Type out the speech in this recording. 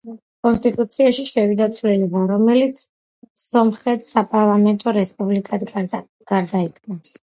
კონსტიტუციაში შევიდა ცვლილება, რომელიც სომხეთს საპარლამენტო რესპუბლიკად გარდაიქმნა.